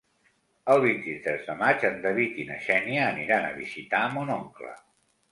El vint-i-tres de maig en David i na Xènia aniran a visitar mon oncle.